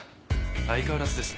相変わらずですね。